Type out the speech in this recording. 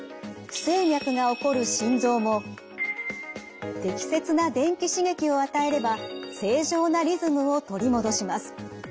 不整脈が起こる心臓も適切な電気刺激を与えれば正常なリズムを取り戻します。